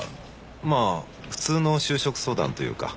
まあ普通の就職相談というか。